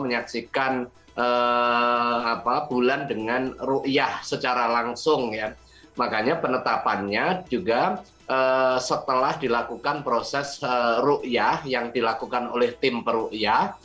ya makanya penetapannya juga setelah dilakukan proses ru'yah yang dilakukan oleh tim peru'yah